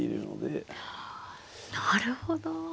なるほど。